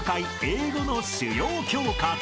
英語の主要教科と］